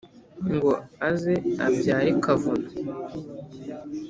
ngo aze abyare kavuna.